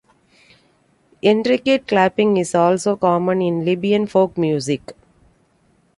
Intricate clapping is also common in Libyan folk music.